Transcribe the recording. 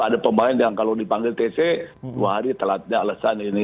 ada pemain yang kalau dipanggil tc dua hari telatnya alasan ini